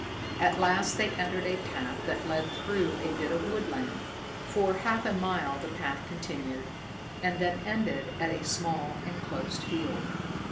At last they entered a path that led through a bit of woodland. For half a mile the path continued, and then ended at a small, enclosed field.